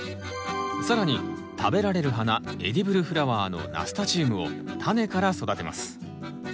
更に食べられる花エディブルフラワーのナスタチウムをタネから育てます。